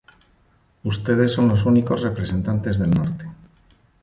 Ustedes son los únicos representantes del norte.